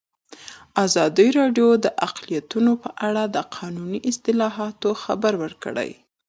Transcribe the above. ازادي راډیو د اقلیتونه په اړه د قانوني اصلاحاتو خبر ورکړی.